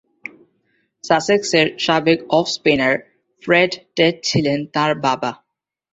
সাসেক্সের সাবেক off spinner Fred Tate ছিলেন তার বাবা।